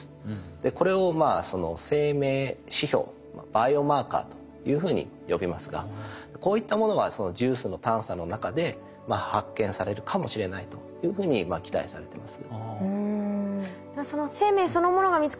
これを生命指標バイオマーカーというふうに呼びますがこういったものがそのＪＵＩＣＥの探査の中で発見されるかもしれないというふうに期待されています。